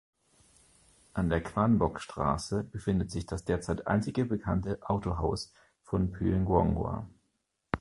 An der Kwangbok-Straße befindet sich das derzeit einzige bekannte Autohaus von Pyeonghwa.